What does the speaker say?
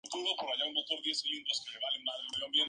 Todas las canciones del disco están compuestas por Leonard Cohen.